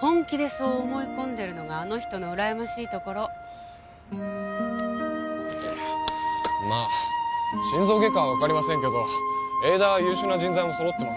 本気でそう思い込んでるのがあの人のうらやましいところ心臓外科は分かりませんけど永大は優秀な人材も揃っています